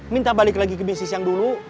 minta balik lagi ke bisnis yang dulu